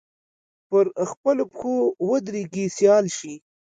پر خپلو پښو ودرېږي سیال شي